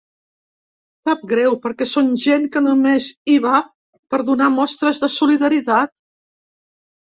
Sap greu, perquè són gent que només hi van per donar mostres de solidaritat.